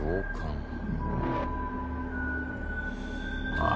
ああ。